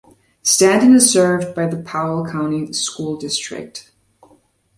Stanton is served by the Powell County School District.